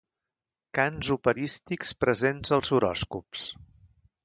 Cants operístics presents als horòscops.